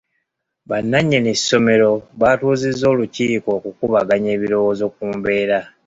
Bannannyini ssomero baatuuzizza olukiiko okukubaganya ebirowoozo ku mbeera.